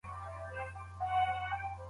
قلمي خط د ځمکي پر سر د انسان د خلافت نښه ده.